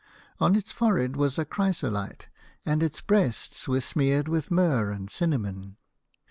On its forehead was a chrysolite, and its breasts were smeared with myrrh and cinnamon.